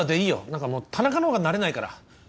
何かもう田中の方が慣れないから。